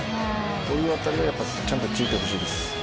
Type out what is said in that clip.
こういうあたりはちゃんとついてほしいです。